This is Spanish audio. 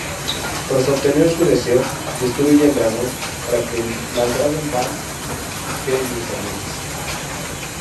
Tras obtener su deseo, destruye al dragón para que las Dragon Balls queden inservibles.